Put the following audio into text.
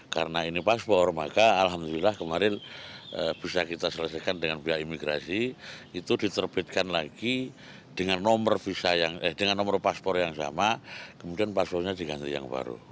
karena ini paspor maka alhamdulillah kemarin bisa kita selesaikan dengan pihak imigrasi itu diterbitkan lagi dengan nomor paspor yang sama kemudian paspornya diganti yang baru